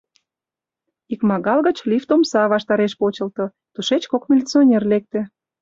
Икмагал гыч лифт омса ваштареш почылто, тушеч кок милиционер лекте.